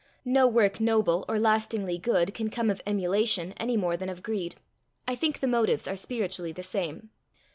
No work noble or lastingly good can come of emulation any more than of greed: I think the motives are spiritually the same.